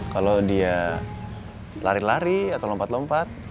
kalau dia lari lari atau lompat lompat